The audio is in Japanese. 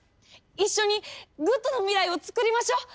一緒にＧＯＯＤな未来を作りましょう！